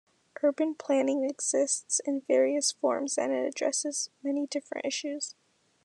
Urban planning exists in various forms and it addresses many different issues.